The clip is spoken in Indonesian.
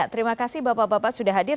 terima kasih bapak bapak sudah hadir